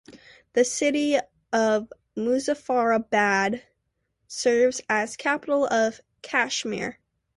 The city of Muzaffarabad serves as capital of Kashmir.